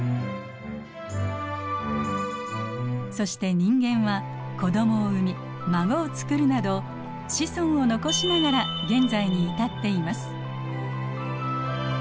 そして人間は子どもを産み孫をつくるなど子孫を残しながら現在に至っています。